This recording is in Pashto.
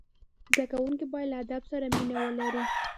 زدهکوونکي باید له ادب سره مینه ولري.